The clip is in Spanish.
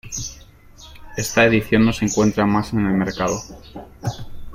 Esta edición no se encuentra más en el mercado.